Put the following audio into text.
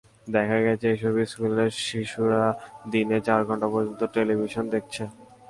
দেখা গেছে, এসব স্কুলের শিশুরা দিনে চার ঘণ্টা পর্যন্ত টেলিভিশন দেখছে।